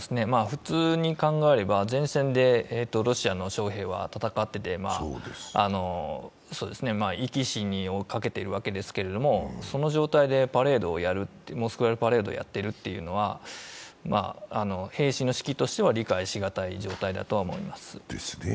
普通に考えれば、前線でロシアの将兵は戦っていて生き死にをかけてるわけですが、その状態でモスクワでパレードをやってるというのは、兵士の心理としては理解しがたいと思います。